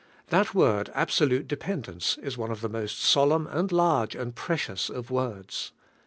That word absolute dependence is one of the mosl solemn and large and precious of words.